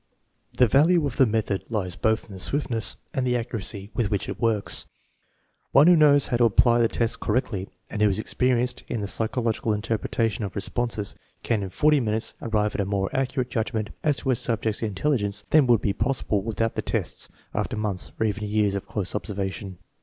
4 The value of the method lies bpth in the swiftness and the accuracy with which it works. '* One who knows how to apply the tests correctly and who is experienced in the psy chological interpretation of responses can in forty minutes arrive at a more accurate judgment as to a subject's in telligence than would be possible without the tests after months or even years of close observation.